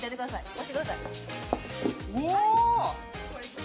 押してくださいうおー！